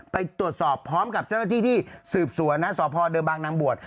ไปตรวจสอบพร้อมกับเจ้าหน้าที่ที่สืบสวนนะสพเดิมบางนางบวช